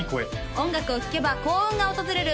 音楽を聴けば幸運が訪れる